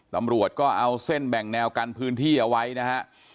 ตำรวจก็เอาเส้นแบ่งแนวกันพื้นที่เอาไว้นะฮะ